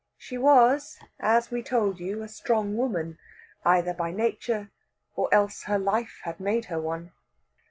She was, as we told you, a strong woman, either by nature, or else her life had made her one.